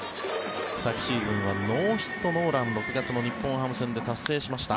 昨シーズンはノーヒット・ノーラン６月の日本ハム戦で達成しました。